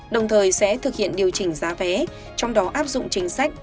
đồng thời sẽ thực hiện điều chỉnh giá vé trong đó áp dụng chính sách